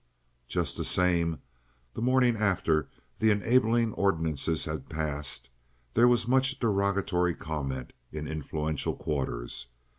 Just the same, the morning after the enabling ordinances had passed, there was much derogatory comment in influential quarters.